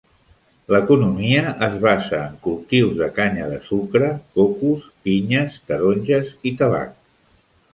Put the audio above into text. L'economia es basa en cultius de canya de sucre, cocos, pinyes, taronges i tabac.